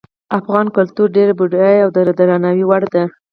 افغان کلتور ډیر بډایه او د درناوي وړ ده